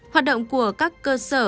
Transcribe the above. hoạt động của các cơ sở